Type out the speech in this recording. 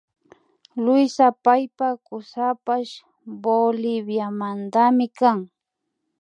Luisa paypak kusapash Boliviamantami kan